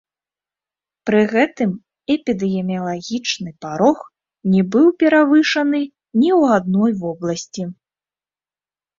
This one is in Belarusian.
Пры гэтым, эпідэміялагічны парог не быў перавышаны ні ў адной вобласці.